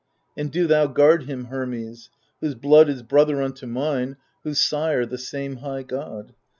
And do thou guard him, Hermes, Whose blood is brother unto mine, whose sire The same high God.